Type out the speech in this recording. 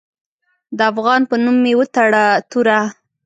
د افغان په نوم مې وتړه توره